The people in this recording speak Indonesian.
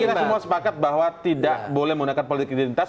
kita semua sepakat bahwa tidak boleh menggunakan politik identitas